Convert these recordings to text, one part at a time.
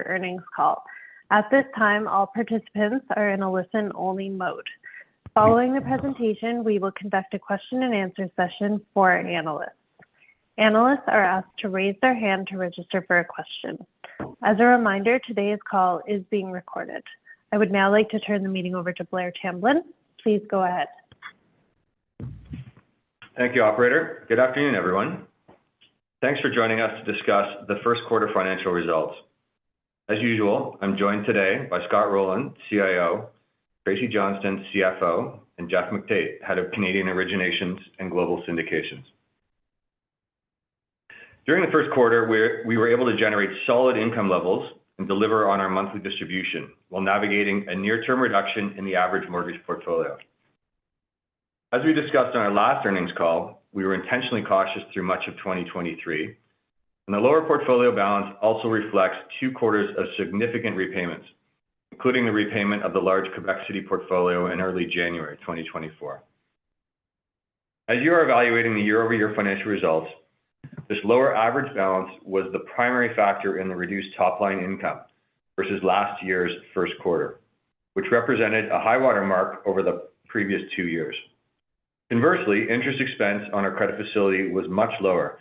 Earnings call. At this time, all participants are in a listen-only mode. Following the presentation, we will conduct a question and answer session for analysts. Analysts are asked to raise their hand to register for a question. As a reminder, today's call is being recorded. I would now like to turn the meeting over to Blair Tamblyn. Please go ahead. Thank you, operator. Good afternoon, everyone. Thanks for joining us to discuss the first quarter financial results. As usual, I'm joined today by Scott Rowland, CIO; Tracy Johnston, CFO; and Geoff McTait, Head of Canadian originations and Global Syndications. During the first quarter, we were able to generate solid income levels and deliver on our monthly distribution, while navigating a near-term reduction in the average mortgage portfolio. As we discussed on our last earnings call, we were intentionally cautious through much of 2023, and the lower portfolio balance also reflects two quarters of significant repayments, including the repayment of the large Quebec City portfolio in early January 2024. As you are evaluating the year-over-year financial results, this lower average balance was the primary factor in the reduced top-line income versus last year's first quarter, which represented a high water mark over the previous two years. Inversely, interest expense on our credit facility was much lower,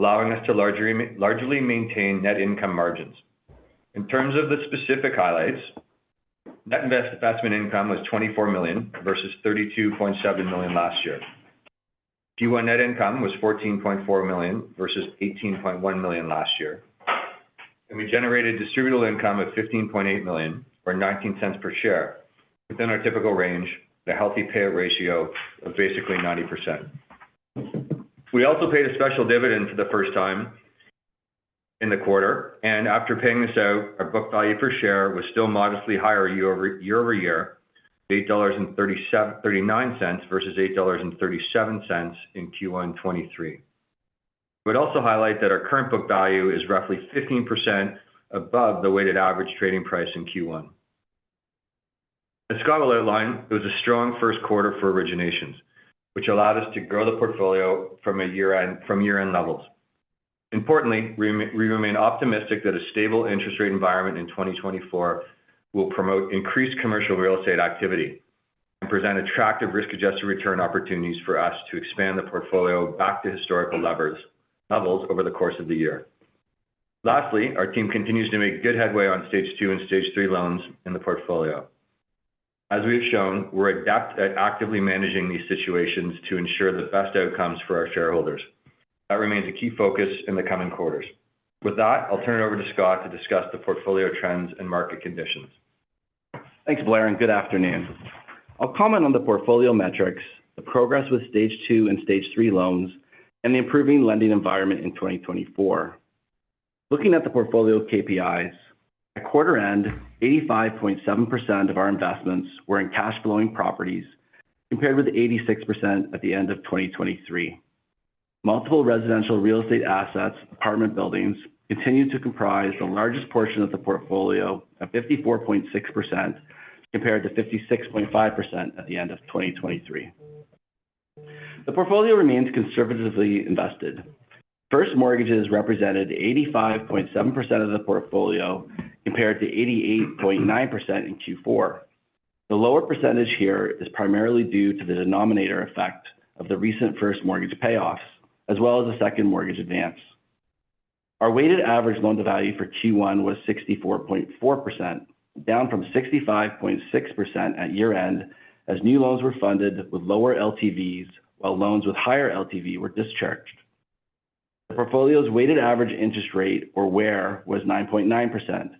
allowing us to largely maintain net income margins. In terms of the specific highlights, net investment income was 24 million versus 32.7 million last year. Q1 net income was 14.4 million versus 18.1 million last year. We generated distributable income of 15.8 million, or 0.19 per share, within our typical range, with a healthy payout ratio of basically 90%. We also paid a special dividend for the first time in the quarter, and after paying this out, our book value per share was still modestly higher year-over-year, CAD 8.39 versus 8.37 dollars in Q1 2023. We'd also highlight that our current book value is roughly 15% above the weighted average trading price in Q1. As Scott will outline, it was a strong first quarter for originations, which allowed us to grow the portfolio from year-end levels. Importantly, we remain optimistic that a stable interest rate environment in 2024 will promote increased commercial real estate activity and present attractive risk-adjusted return opportunities for us to expand the portfolio back to historical levels over the course of the year. Lastly, our team continues to make good headway on Stage 2 and Stage 3 loans in the portfolio. As we have shown, we're adept at actively managing these situations to ensure the best outcomes for our shareholders. That remains a key focus in the coming quarters. With that, I'll turn it over to Scott to discuss the portfolio trends and market conditions. Thanks, Blair, and good afternoon. I'll comment on the portfolio metrics, the progress with Stage 2 and Stage 3 loans, and the improving lending environment in 2024. Looking at the portfolio KPIs, at quarter end, 85.7% of our investments were in cash flowing properties, compared with 86% at the end of 2023. Multiple residential real estate assets, apartment buildings, continued to comprise the largest portion of the portfolio at 54.6%, compared to 56.5% at the end of 2023. The portfolio remains conservatively invested. First mortgages represented 85.7% of the portfolio, compared to 88.9% in Q4. The lower percentage here is primarily due to the denominator effect of the recent first mortgage payoffs, as well as the second mortgage advance. Our weighted average loan-to-value for Q1 was 64.4%, down from 65.6% at year-end, as new loans were funded with lower LTVs, while loans with higher LTV were discharged. The portfolio's weighted average interest rate, or WAIR, was 9.9%,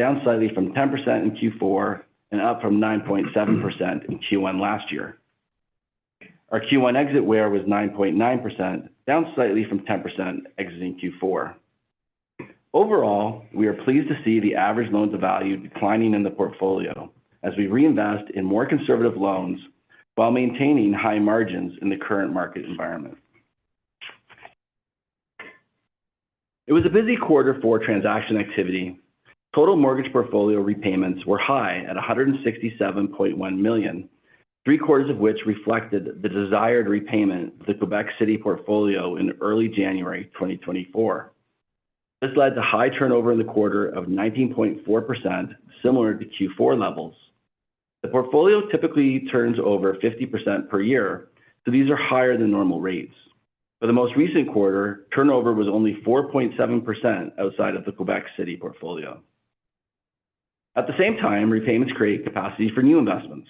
down slightly from 10% in Q4 and up from 9.7% in Q1 last year. Our Q1 exit WAIR was 9.9%, down slightly from 10% exiting Q4. Overall, we are pleased to see the average loan-to-value declining in the portfolio as we reinvest in more conservative loans while maintaining high margins in the current market environment. It was a busy quarter for transaction activity. Total mortgage portfolio repayments were high at 167.1 million, three-quarters of which reflected the desired repayment of the Quebec City portfolio in early January 2024. This led to high turnover in the quarter of 19.4%, similar to Q4 levels. The portfolio typically turns over 50% per year, so these are higher than normal rates. For the most recent quarter, turnover was only 4.7% outside of the Quebec City portfolio. At the same time, repayments create capacity for new investments.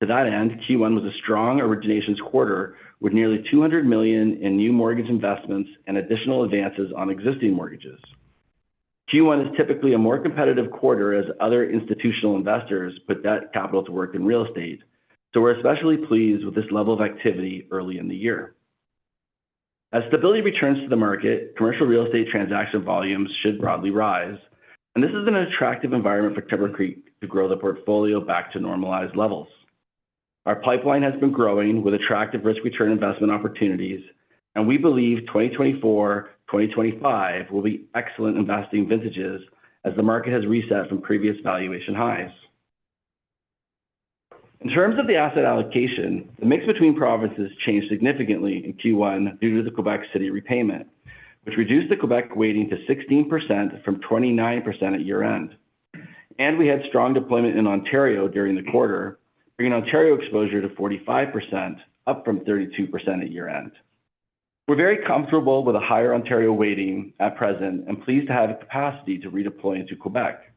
To that end, Q1 was a strong originations quarter, with nearly 200 million in new mortgage investments and additional advances on existing mortgages. Q1 is typically a more competitive quarter as other institutional investors put that capital to work in real estate, so we're especially pleased with this level of activity early in the year. As stability returns to the market, commercial real estate transaction volumes should broadly rise, and this is an attractive environment for Timbercreek to grow the portfolio back to normalized levels. Our pipeline has been growing with attractive risk-return investment opportunities, and we believe 2024, 2025 will be excellent investing vintages as the market has reset from previous valuation highs. In terms of the asset allocation, the mix between provinces changed significantly in Q1 due to the Quebec City repayment, which reduced the Quebec weighting to 16% from 29% at year-end. We had strong deployment in Ontario during the quarter, bringing Ontario exposure to 45%, up from 32% at year-end. We're very comfortable with a higher Ontario weighting at present and pleased to have the capacity to redeploy into Quebec.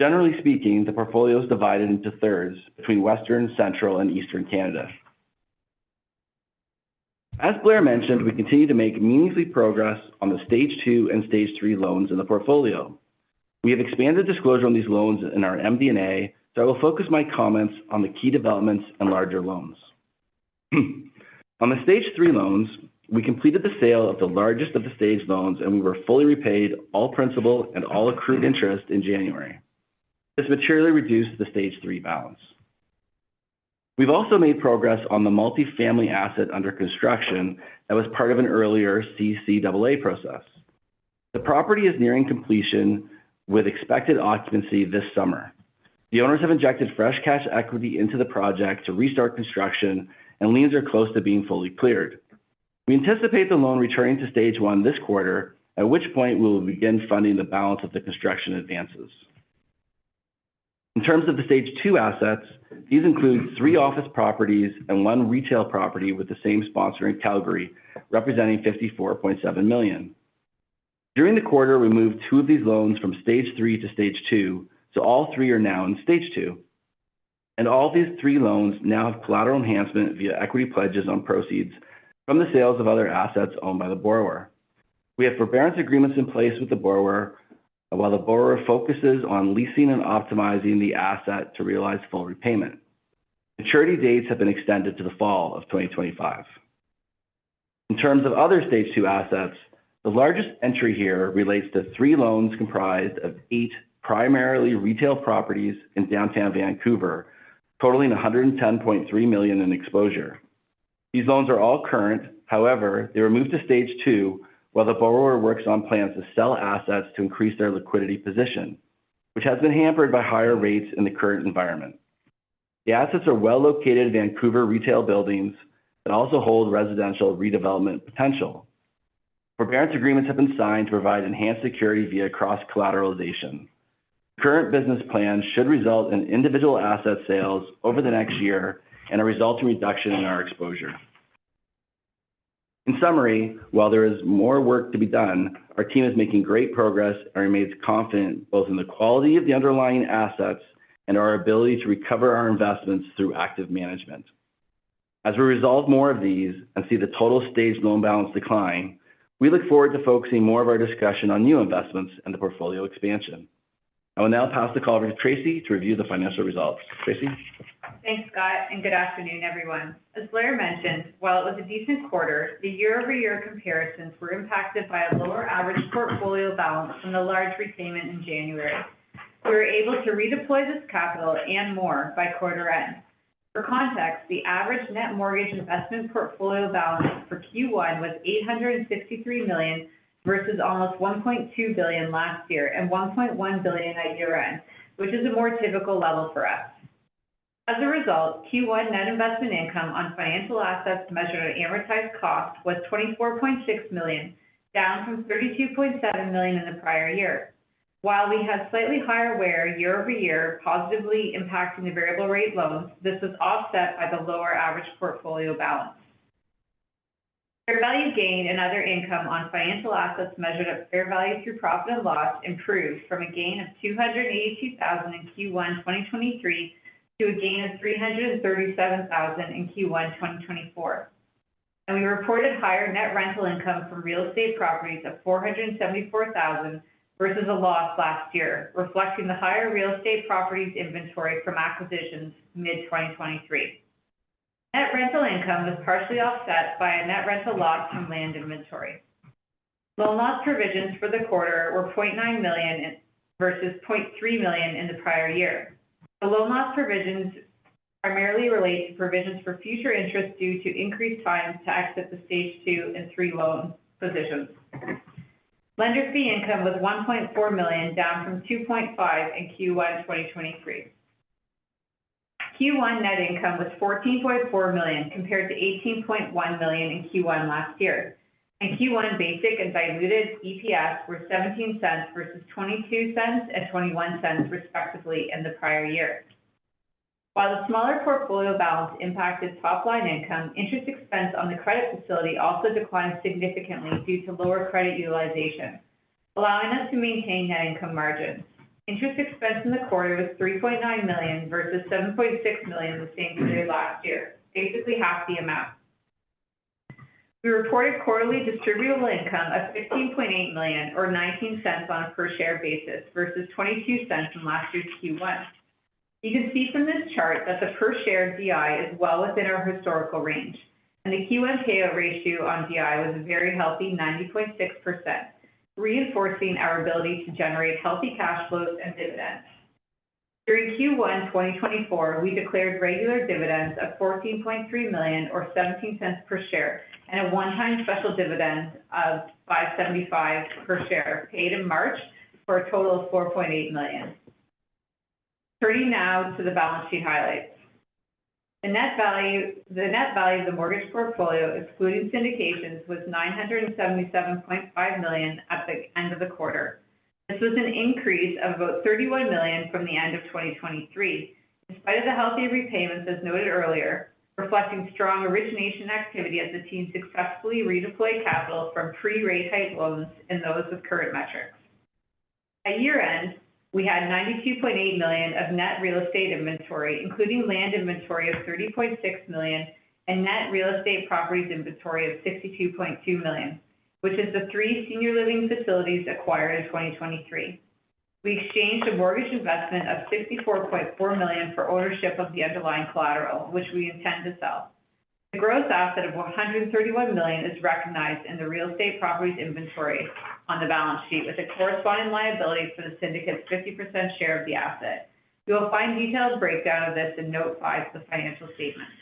Generally speaking, the portfolio is divided into thirds between Western, Central, and Eastern Canada. As Blair mentioned, we continue to make meaningfully progress on the Stage 2 and Stage 3 loans in the portfolio. We have expanded disclosure on these loans in our MD&A, so I will focus my comments on the key developments and larger loans. On the Stage 3 loans, we completed the sale of the largest of the Stage 3 loans, and we were fully repaid all principal and all accrued interest in January. This materially reduced the Stage 3 balance. We've also made progress on the multifamily asset under construction that was part of an earlier CCAA process. The property is nearing completion with expected occupancy this summer. The owners have injected fresh cash equity into the project to restart construction, and liens are close to being fully cleared. We anticipate the loan returning to Stage 1 this quarter, at which point we will begin funding the balance of the construction advances. In terms of the Stage 2 assets, these include three office properties and one retail property with the same sponsor in Calgary, representing 54.7 million. During the quarter, we moved two of these loans from Stage 3 to Stage 2, so all three are now in Stage 2. And all these three loans now have collateral enhancement via equity pledges on proceeds from the sales of other assets owned by the borrower. We have forbearance agreements in place with the borrower, while the borrower focuses on leasing and optimizing the asset to realize full repayment. Maturity dates have been extended to the fall of 2025. In terms of other Stage 2 assets, the largest entry here relates to three loans comprised of 8 primarily retail properties in downtown Vancouver, totaling 110.3 million in exposure. These loans are all current. However, they were moved to Stage 2 while the borrower works on plans to sell assets to increase their liquidity position, which has been hampered by higher rates in the current environment. The assets are well located Vancouver retail buildings that also hold residential redevelopment potential. Forbearance agreements have been signed to provide enhanced security via cross-collateralization. Current business plans should result in individual asset sales over the next year and a resulting reduction in our exposure. In summary, while there is more work to be done, our team is making great progress and remains confident both in the quality of the underlying assets and our ability to recover our investments through active management. As we resolve more of these and see the total stage loan balance decline, we look forward to focusing more of our discussion on new investments and the portfolio expansion. I will now pass the call over to Tracy to review the financial results. Tracy? Thanks, Scott, and good afternoon, everyone. As Blair mentioned, while it was a decent quarter, the year-over-year comparisons were impacted by a lower average portfolio balance from the large repayment in January. We were able to redeploy this capital and more by quarter end. For context, the average net mortgage investment portfolio balance for Q1 was 863 million, versus almost 1.2 billion last year and 1.1 billion at year-end, which is a more typical level for us. As a result, Q1 net investment income on financial assets measured at amortized cost was 24.6 million, down from 32.7 million in the prior year. While we had slightly higher WAIR year-over-year, positively impacting the variable rate loans, this was offset by the lower average portfolio balance. Fair value gain and other income on financial assets measured at fair value through profit and loss improved from a gain of 282,000 in Q1 2023 to a gain of 337,000 in Q1 2024. We reported higher net rental income from real estate properties of 474,000, versus a loss last year, reflecting the higher real estate properties inventory from acquisitions mid-2023. Net rental income was partially offset by a net rental loss from land inventory. Loan loss provisions for the quarter were 0.9 million versus 0.3 million in the prior year. The loan loss provisions primarily relate to provisions for future interest due to increased times to exit the Stage 2 and 3 loan positions. Lender fee income was 1.4 million, down from 2.5 million in Q1 2023. Q1 net income was 14.4 million, compared to 18.1 million in Q1 last year, and Q1 basic and diluted EPS were 0.17 versus 0.22 and 0.21, respectively, in the prior year. While the smaller portfolio balance impacted top-line income, interest expense on the credit facility also declined significantly due to lower credit utilization, allowing us to maintain net income margins. Interest expense in the quarter was 3.9 million versus 7.6 million the same quarter last year, basically half the amount. We reported quarterly distributable income of 16.8 million or 0.19 on a per-share basis versus 0.22 from last year's Q1. You can see from this chart that the per-share DI is well within our historical range, and the Q1 payout ratio on DI was a very healthy 90.6%, reinforcing our ability to generate healthy cash flows and dividends. During Q1 2024, we declared regular dividends of 14.3 million or 0.17 per share, and a one-time special dividend of 0.0575 per share, paid in March for a total of 4.8 million. Turning now to the balance sheet highlights. The net value, the net value of the mortgage portfolio, excluding syndications, was 977.5 million at the end of the quarter. This was an increase of about 31 million from the end of 2023, in spite of the healthy repayments, as noted earlier, reflecting strong origination activity as the team successfully redeployed capital from pre-rate hike loans and those with current metrics. At year-end, we had 92.8 million of net real estate inventory, including land inventory of 30.6 million and net real estate properties inventory of 62.2 million, which is the three senior living facilities acquired in 2023. We exchanged a mortgage investment of 64.4 million for ownership of the underlying collateral, which we intend to sell. The gross asset of 131 million is recognized in the real estate properties inventory on the balance sheet, with a corresponding liability for the syndicate's 50% share of the asset. You will find detailed breakdown of this in Note 5 of the financial statements.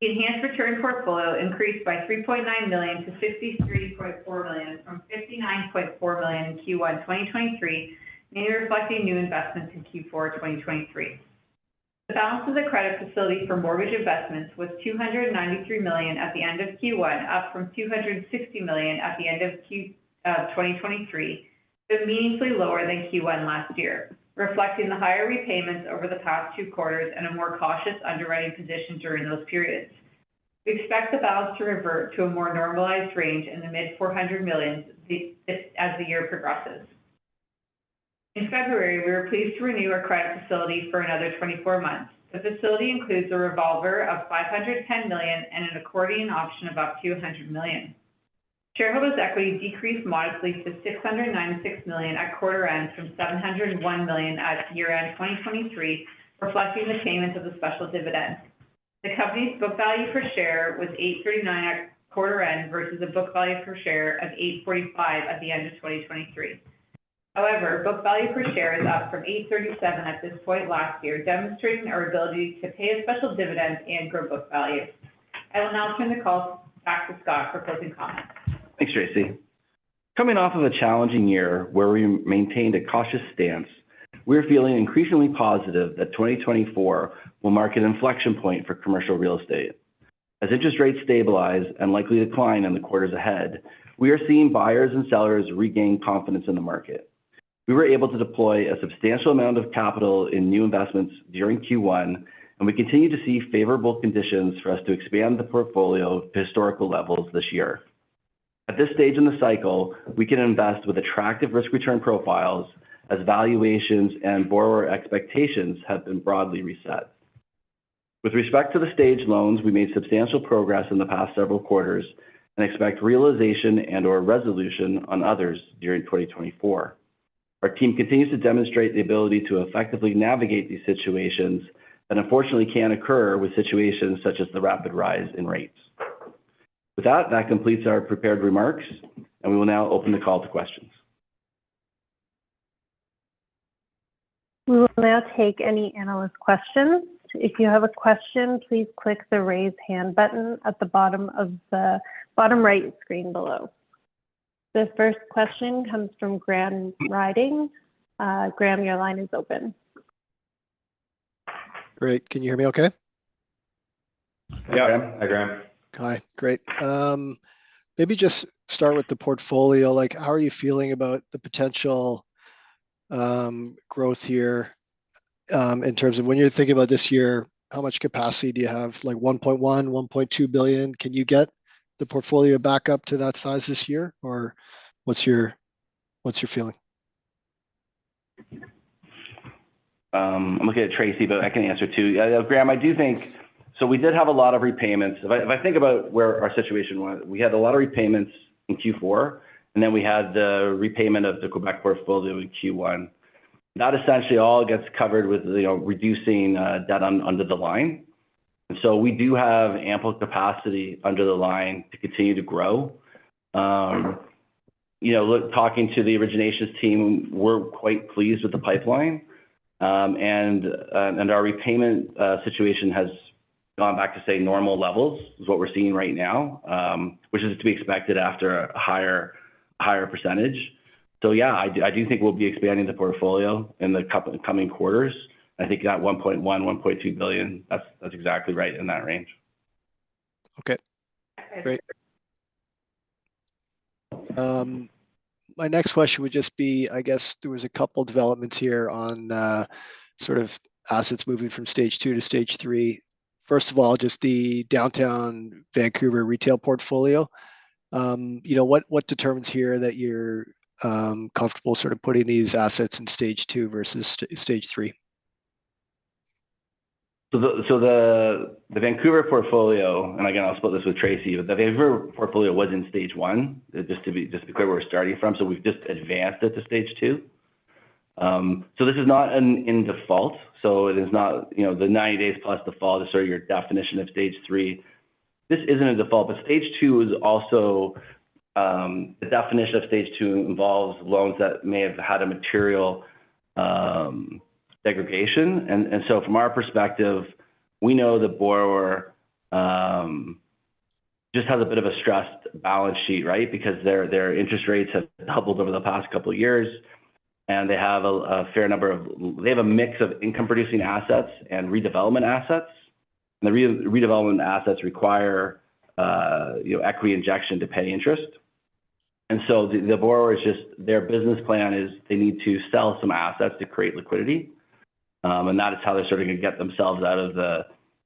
Enhanced Return Portfolio increased by 3.9 million to 53.4 million, from 59.4 million in Q1 2023, mainly reflecting new investments in Q4 2023. The balance of the credit facility for mortgage investments was 293 million at the end of Q1, up from 260 million at the end of Q1 2023, but meaningfully lower than Q1 last year, reflecting the higher repayments over the past two quarters and a more cautious underwriting position during those periods. We expect the balance to revert to a more normalized range in the mid-CAD 400 million as the year progresses. In February, we were pleased to renew our credit facility for another 24 months. The facility includes a revolver of 510 million and an accordion option of up to 100 million. Shareholders' equity decreased modestly to 696 million at quarter end, from 701 million at year-end 2023, reflecting the payments of the special dividend. The company's book value per share was 8.39 at quarter end versus a book value per share of 8.45 at the end of 2023. However, book value per share is up from 8.37 at this point last year, demonstrating our ability to pay a special dividend and grow book value. I will now turn the call back to Scott for closing comments. Thanks, Tracy. Coming off of a challenging year where we maintained a cautious stance, we're feeling increasingly positive that 2024 will mark an inflection point for commercial real estate. As interest rates stabilize and likely decline in the quarters ahead, we are seeing buyers and sellers regain confidence in the market. We were able to deploy a substantial amount of capital in new investments during Q1, and we continue to see favorable conditions for us to expand the portfolio to historical levels this year. At this stage in the cycle, we can invest with attractive risk-return profiles as valuations and borrower expectations have been broadly reset. With respect to the Stage loans, we made substantial progress in the past several quarters and expect realization and/or resolution on others during 2024. Our team continues to demonstrate the ability to effectively navigate these situations that unfortunately can occur with situations such as the rapid rise in rates. With that, that completes our prepared remarks, and we will now open the call to questions. We will now take any analyst questions. If you have a question, please click the Raise Hand button at the bottom of the bottom right screen below. The first question comes from Graham Ryding. Graham, your line is open. Great. Can you hear me okay? Yeah. Hi, Graham. Hi. Great. Maybe just start with the portfolio, like, how are you feeling about the potential growth here, in terms of when you're thinking about this year, how much capacity do you have? Like 1.1 billion, 1.2 billion. Can you get the portfolio back up to that size this year, or what's your, what's your feeling? I'm looking at Tracy, but I can answer, too. Yeah, Graham, I do think. So we did have a lot of repayments. If I, if I think about where our situation was, we had a lot of repayments in Q4, and then we had the repayment of the Quebec portfolio in Q1. That essentially all gets covered with, you know, reducing, debt under the line. So we do have ample capacity under the line to continue to grow. You know, look, talking to the originations team, we're quite pleased with the pipeline. And, and our repayment situation has gone back to, say, normal levels, is what we're seeing right now, which is to be expected after a higher, higher percentage. So yeah, I do, I do think we'll be expanding the portfolio in the coming quarters. I think that 1.1 billion-1.2 billion, that's, that's exactly right in that range. Okay, great. My next question would just be, I guess there was a couple developments here on sort of assets moving from Stage 2 to Stage 3. First of all, just the downtown Vancouver retail portfolio. You know, what, what determines here that you're comfortable sort of putting these assets in Stage 2 versus Stage 3? So the Vancouver portfolio, and again, I'll split this with Tracy, but the Vancouver portfolio was in Stage 1, just to be clear where we're starting from. So we've just advanced it to Stage 2. So this is not in default, so it is not, you know, the 90 days plus default is sort of your definition of Stage 3. This isn't a default, but Stage 2 is also the definition of Stage 2 involves loans that may have had a significant increase. And so from our perspective, we know the borrower just has a bit of a stressed balance sheet, right? Because their interest rates have doubled over the past couple of years, and they have a mix of income-producing assets and redevelopment assets. And the redevelopment assets require, you know, equity injection to pay interest. And so the borrower is just their business plan is they need to sell some assets to create liquidity, and that is how they're starting to get themselves out of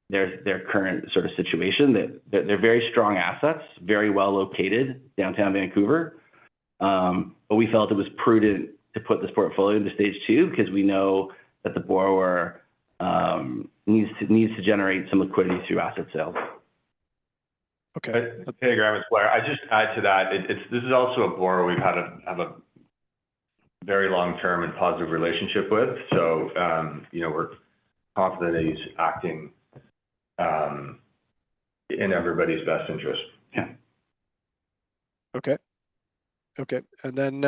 their current sort of situation. That they're very strong assets, very well located downtown Vancouver. But we felt it was prudent to put this portfolio into Stage 2, because we know that the borrower needs to generate some liquidity through asset sales. Okay. Hey, Graham, it's Blair. I'd just add to that, this is also a borrower we've had, have a very long-term and positive relationship with. So, you know, we're confident that he's acting in everybody's best interest. Okay. Okay, and then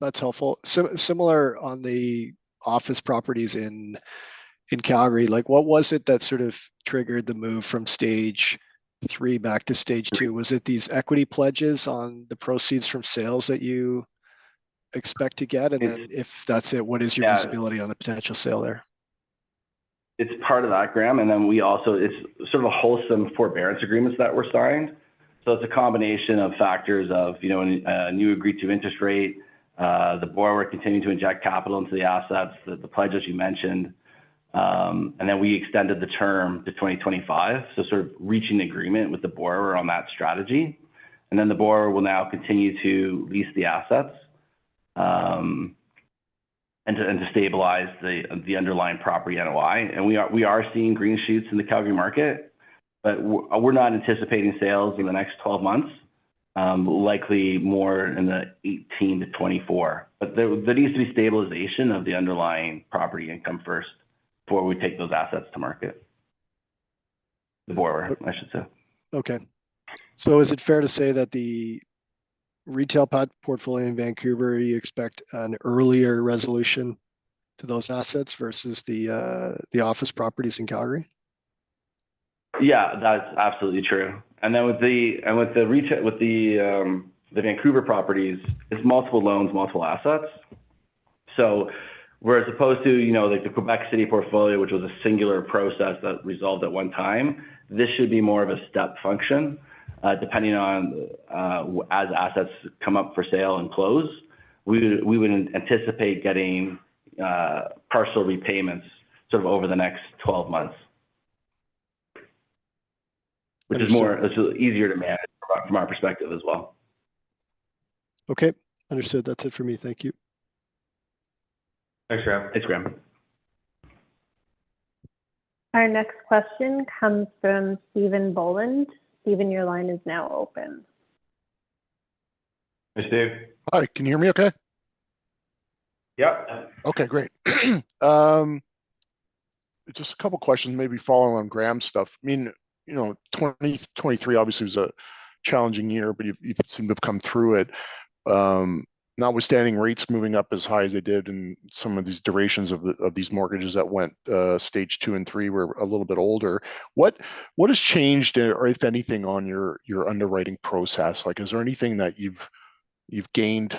that's helpful. Similar on the office properties in Calgary, like, what was it that sort of triggered the move from Stage 3 back to Stage 2? Was it these equity pledges on the proceeds from sales that you expect to get? And then if that's it, what is your visibility on the potential sale there? It's part of that, Graham, and then we also- it's sort of a wholesome forbearance agreements that we're signing. So it's a combination of factors of, you know, a new agreed-to interest rate, the borrower continuing to inject capital into the assets, the pledge, as you mentioned, and then we extended the term to 2025, so sort of reaching an agreement with the borrower on that strategy. And then the borrower will now continue to lease the assets, and to stabilize the underlying property NOI. And we are seeing green shoots in the Calgary market, but we're not anticipating sales in the next 12 months. Likely more in the 18-24. But there needs to be stabilization of the underlying property income first, before we take those assets to market. The borrower, I should say. Okay. Is it fair to say that the retail portfolio in Vancouver, you expect an earlier resolution to those assets versus the office properties in Calgary? Yeah, that's absolutely true. And then with the-- and with the retail-- with the, the Vancouver properties, it's multiple loans, multiple assets. So where as opposed to, you know, like the Quebec City portfolio, which was a singular process that resolved at one time, this should be more of a step function. Depending on, as assets come up for sale and close, we would anticipate getting partial repayments sort of over the next 12 months. Understood. Which is more, which is easier to manage from our perspective as well. Okay, understood. That's it for me. Thank you. Thanks, Graham. Thanks, Graham. Our next question comes from Stephen Boland. Stephen, your line is now open. Hi, Steve. Hi, can you hear me okay? Yeah, I can. Okay, great. Just a couple questions, maybe following on Graham's stuff. I mean, you know, 2023 obviously was a challenging year, but you seem to have come through it. Notwithstanding rates moving up as high as they did, and some of these durations of these mortgages that went Stage 2 and 3 were a little bit older, what has changed, or if anything, on your underwriting process? Like, is there anything that you've gained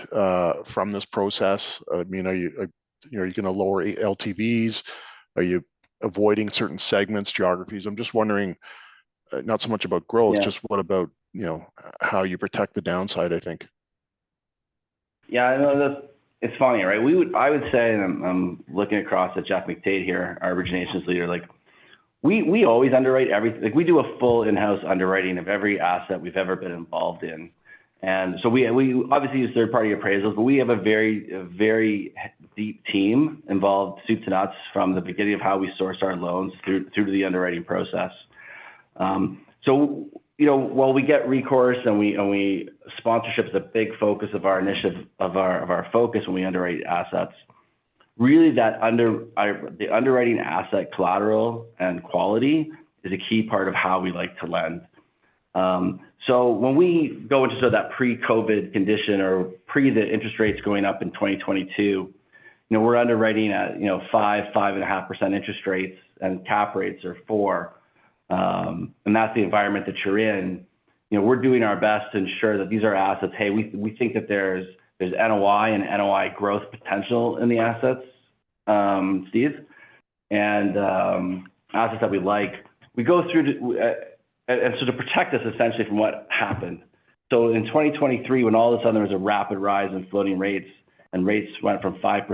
from this process? I mean, are you gonna lower LTVs? Are you avoiding certain segments, geographies? I'm just wondering, not so much about growth- just what about, you know, how you protect the downside? I think. Yeah, I know, that's—it's funny, right? I would say, and I'm looking across at Geoff McTait here, our originations leader, like, we always underwrite every like, we do a full in-house underwriting of every asset we've ever been involved in. And so we obviously use third-party appraisals, but we have a very deep team involved, soup to nuts, from the beginning of how we source our loans through to the underwriting process. So, you know, while we get recourse and we... Sponsorship is a big focus of our initiative, of our focus when we underwrite assets. Really, the underwriting asset, collateral, and quality is a key part of how we like to lend. So when we go into sort of that pre-COVID condition or pre the interest rates going up in 2022, you know, we're underwriting at, you know, 5%, 5.5% interest rates, and cap rates are 4%. And that's the environment that you're in. You know, we're doing our best to ensure that these are assets. Hey, we, we think that there's, there's NOI and NOI growth potential in the assets, Steve, and, assets that we like. We go through to, and so to protect us essentially from what happened... So in 2023, when all of a sudden there was a rapid rise in floating rates and rates went from 5%-10%,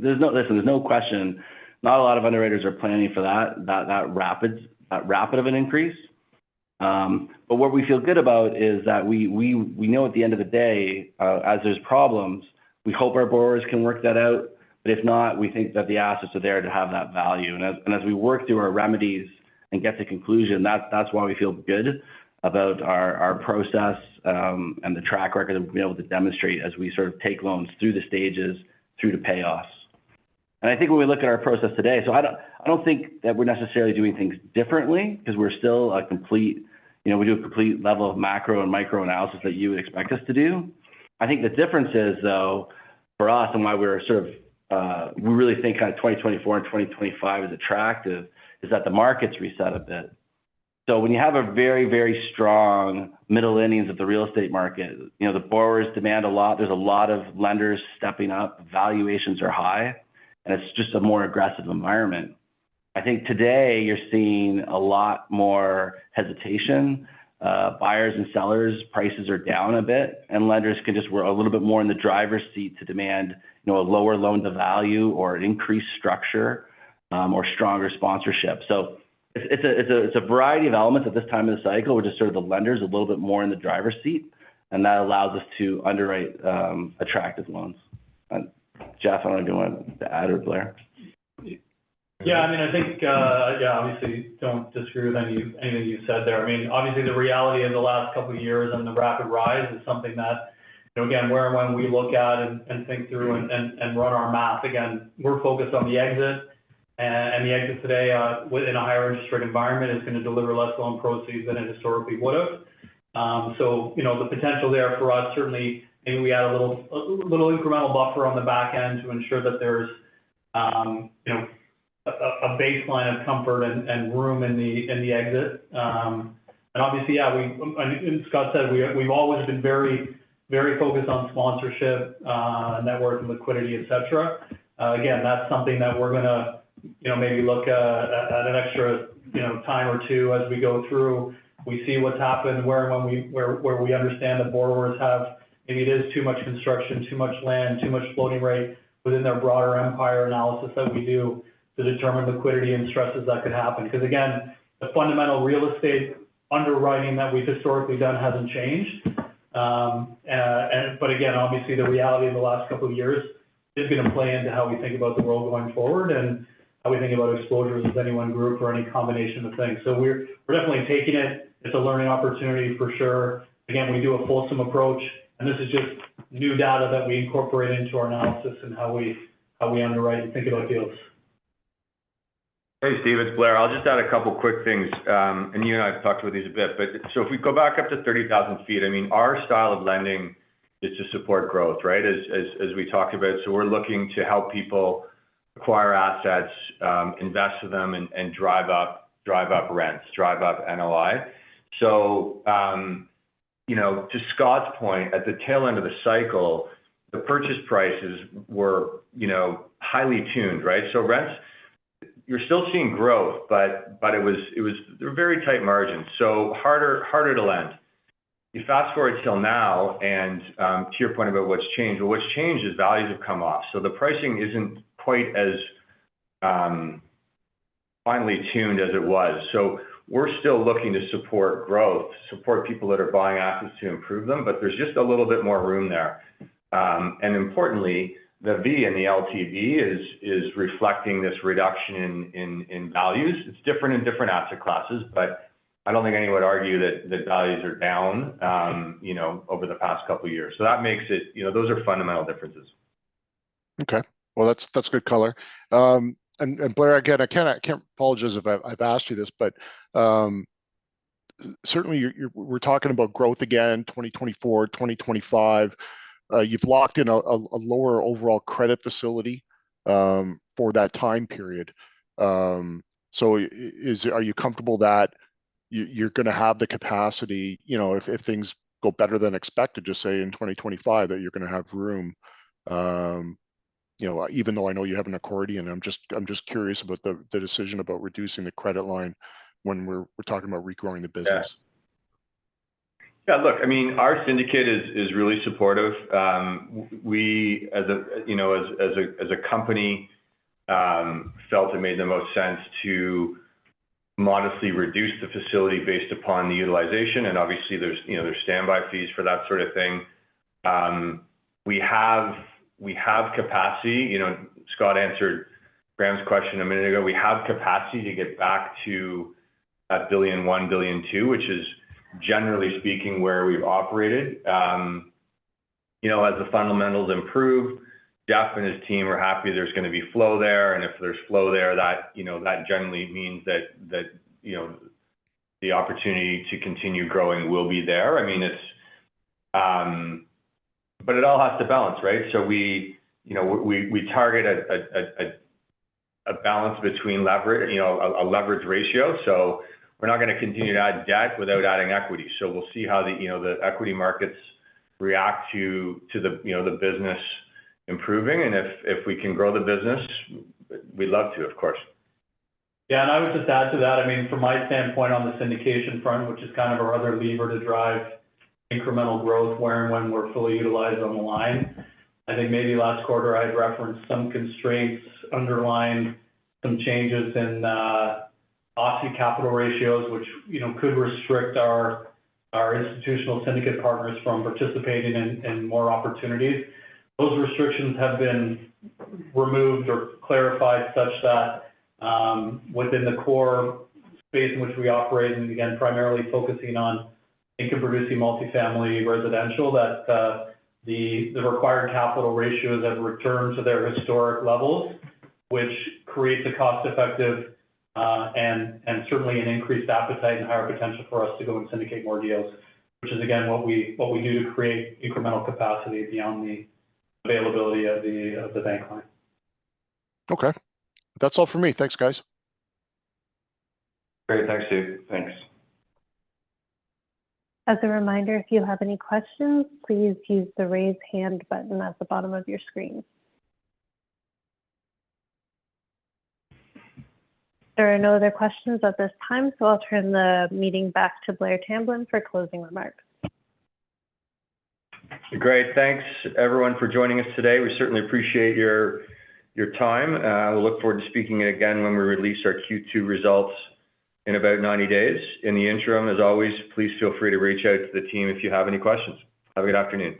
there's no, listen, there's no question, not a lot of underwriters are planning for that, that, that rapid, that rapid of an increase. But what we feel good about is that we know at the end of the day, as there's problems, we hope our borrowers can work that out. But if not, we think that the assets are there to have that value. And as we work through our remedies and get to conclusion, that's why we feel good about our process and the track record that we'll be able to demonstrate as we sort of take loans through the stages, through to payoffs. And I think when we look at our process today, so I don't think that we're necessarily doing things differently because we're still a complete—you know, we do a complete level of macro and micro analysis that you would expect us to do. I think the difference is, though, for us and why we're sort of, we really think kind of 2024 and 2025 is attractive, is that the market's reset a bit. So when you have a very, very strong middle innings of the real estate market, you know, the borrowers demand a lot. There's a lot of lenders stepping up, valuations are high, and it's just a more aggressive environment. I think today you're seeing a lot more hesitation, buyers and sellers, prices are down a bit, and lenders can just-- we're a little bit more in the driver's seat to demand, you know, a lower loan to value or an increased structure, or stronger sponsorship. So it's a variety of elements at this time of the cycle, where just sort of the lenders are a little bit more in the driver's seat, and that allows us to underwrite attractive loans. And Geoff, I want to go on to add, or Blair? Yeah, I mean, I think, yeah, obviously don't disagree with any, anything you said there. I mean, obviously, the reality of the last couple of years and the rapid rise is something that, you know, again, where and when we look at and, and think through and, and, and run our math again, we're focused on the exit, and the exit today, within a higher interest rate environment, is going to deliver less loan proceeds than it historically would have. So, you know, the potential there for us, certainly, maybe we add a little, a little incremental buffer on the back end to ensure that there's, you know, a, a baseline of comfort and, and room in the, in the exit. And obviously, yeah, we, and Scott said, we, we've always been very, very focused on sponsorship, network and liquidity, et cetera. Again, that's something that we're gonna, you know, maybe look at, at an extra, you know, time or two as we go through. We see what's happened, where and when we understand the borrowers have, maybe it is too much construction, too much land, too much floating rate within their broader empire analysis that we do to determine liquidity and stresses that could happen. Because, again, the fundamental real estate underwriting that we've historically done hasn't changed. And but again, obviously, the reality of the last couple of years is gonna play into how we think about the world going forward and how we think about exposures with any one group or any combination of things. So we're, we're definitely taking it. It's a learning opportunity for sure. Again, we do a fulsome approach, and this is just new data that we incorporate into our analysis and how we, how we underwrite and think about deals. Hey, Steve, it's Blair. I'll just add a couple quick things. You and I have talked about these a bit, but so if we go back up to 30,000 ft, I mean, our style of lending is to support growth, right? As we talked about. So we're looking to help people acquire assets, invest in them, and drive up rents, drive up NOI. So, you know, to Scott's point, at the tail end of the cycle, the purchase prices were, you know, highly tuned, right? So rents, you're still seeing growth, but it was-- they're very tight margins, so harder to lend. You fast-forward till now, and, to your point about what's changed, well, what's changed is values have come off, so the pricing isn't quite as finely tuned as it was. So we're still looking to support growth, support people that are buying assets to improve them, but there's just a little bit more room there. And importantly, the V in the LTV is reflecting this reduction in values. It's different in different asset classes, but I don't think anyone would argue that values are down, you know, over the past couple of years. So that makes it, you know, those are fundamental differences. Okay. Well, that's, that's good color. And Blair, again, I kinda—I apologize if I've, I've asked you this, but, certainly you're, you're—we're talking about growth again, 2024, 2025. You've locked in a, a, a lower overall credit facility, for that time period. So are you comfortable that you, you're gonna have the capacity, you know, if, if things go better than expected, just say in 2025, that you're gonna have room, you know, even though I know you have an accordion, I'm just, I'm just curious about the, the decision about reducing the credit line when we're, we're talking about regrowing the business. Yeah. Look, I mean, our syndicate is really supportive. We as a company, you know, felt it made the most sense to modestly reduce the facility based upon the utilization, and obviously, there's, you know, standby fees for that sort of thing. We have capacity. You know, Scott answered Graham's question a minute ago. We have capacity to get back to 1.1 billion-1.2 billion, which is, generally speaking, where we've operated. You know, as the fundamentals improve, Geoff and his team are happy there's gonna be flow there, and if there's flow there, that, you know, that generally means that, you know, the opportunity to continue growing will be there. I mean, it's, but it all has to balance, right? So we, you know, target a balance between leverage—you know, a leverage ratio, so we're not gonna continue to add debt without adding equity. So we'll see how the, you know, the equity markets react to the, you know, the business improving, and if we can grow the business, we'd love to, of course. Yeah, and I would just add to that. I mean, from my standpoint on the syndication front, which is kind of our other lever to drive incremental growth, where and when we're fully utilized on the line, I think maybe last quarter I had referenced some constraints underlying some changes in OSFI capital ratios, which, you know, could restrict our institutional syndicate partners from participating in more opportunities. Those restrictions have been removed or clarified such that within the core space in which we operate, and again, primarily focusing on income-producing multifamily residential, that the required capital ratios have returned to their historic levels, which creates a cost-effective, and certainly an increased appetite and higher potential for us to go and syndicate more deals, which is, again, what we do to create incremental capacity beyond the availability of the bank line. Okay. That's all for me. Thanks, guys. Great. Thanks, Steve. Thanks. As a reminder, if you have any questions, please use the Raise Hand button at the bottom of your screen. There are no other questions at this time, so I'll turn the meeting back to Blair Tamblyn for closing remarks. Great. Thanks, everyone, for joining us today. We certainly appreciate your time. We look forward to speaking again when we release our Q2 results in about 90 days. In the interim, as always, please feel free to reach out to the team if you have any questions. Have a good afternoon.